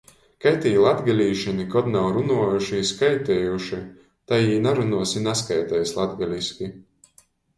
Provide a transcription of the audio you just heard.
Kai tī latgalīši nikod nav runuojuši i skaitejuši, tai jī narunuos i naskaiteis latgaliski.